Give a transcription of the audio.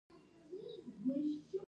په غم او ښادۍ کې شریک شئ